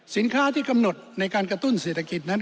ที่กำหนดในการกระตุ้นเศรษฐกิจนั้น